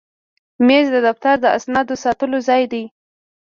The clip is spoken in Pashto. مېز د دفتر د اسنادو ساتلو ځای دی.